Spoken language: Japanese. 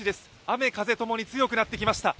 雨風ともに強くなってきました。